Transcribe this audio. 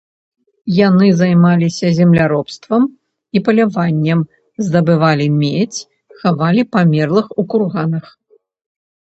Яны займаліся земляробствам і паляваннем, здабывалі медзь, хавалі памерлых у курганах.